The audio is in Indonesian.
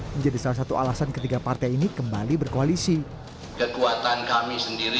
menjadi salah satu alasan ketiga partai ini kembali berkoalisi